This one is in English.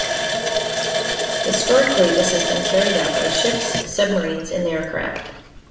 Historically this has been carried out by ships, submarines and aircraft.